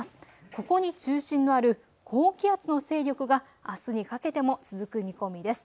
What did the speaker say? ここに中心のある高気圧の勢力があすにかけても続く見込みです。